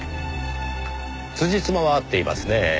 つじつまは合っていますねぇ。